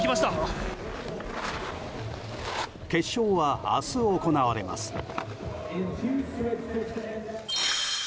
決勝は明日行われます。